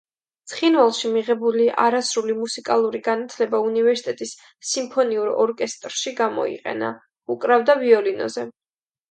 ცხინვალში მიღებული არასრული მუსიკალური განათლება უნივერსიტეტის სიმფონიურ ორკესტრში გამოიყენა, უკრავდა ვიოლინოზე.